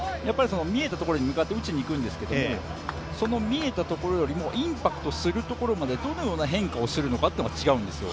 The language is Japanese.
見えたところに向かって打ちに行くんですけれども、その見えたところよりもインパクトするところまでどのような変化をするのかというのが違うんですよ。